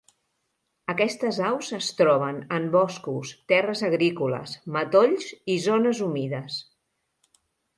Aquestes aus es troben en boscos, terres agrícoles, matolls i zones humides.